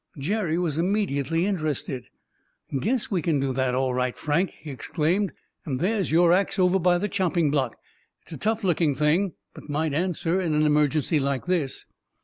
Jerry was immediately interested. "Guess we can do that, all right, Frank," he exclaimed; "and there's your ax over by the chopping block. It's a tough looking thing, but might answer in an emergency like this."